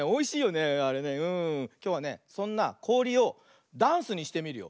きょうはねそんなこおりをダンスにしてみるよ。